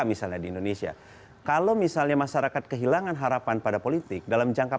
misalnya di indonesia kalau misalnya masyarakat kehilangan harapan pada politik dalam jangka